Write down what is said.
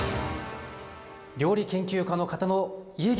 料理研究家の方の「家ギョーザ」。